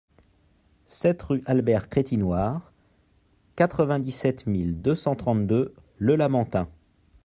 sept rue Albert Crétinoir, quatre-vingt-dix-sept mille deux cent trente-deux Le Lamentin